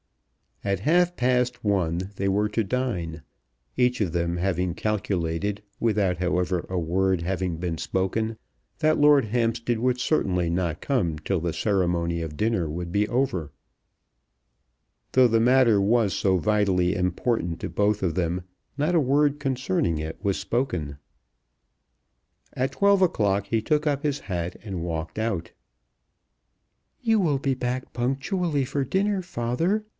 At half past one they were to dine, each of them having calculated, without, however, a word having been spoken, that Lord Hampstead would certainly not come till the ceremony of dinner would be over. Though the matter was so vitally important to both of them, not a word concerning it was spoken. At twelve o'clock he took up his hat, and walked out. "You will be back punctually for dinner, father?"